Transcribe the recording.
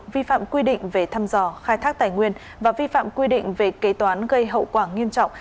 vi phạm quy định về thăm dò khai thác tài nguyên và vi phạm quy định về kế toán gây hậu quả nghiêm trọng